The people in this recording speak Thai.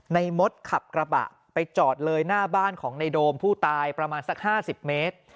มดขับกระบะไปจอดเลยหน้าบ้านของในโดมผู้ตายประมาณสัก๕๐เมตร